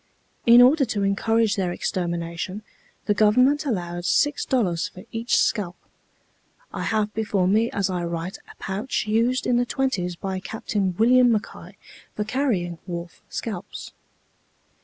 In order to encourage their extermination, the Government allowed $6 for each scalp. I have before me as I write a pouch used in the twenties by Captain William Mackay for carrying wolf scalps.